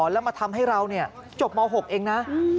แล้วมาทำให้เราจบม๖เองนะ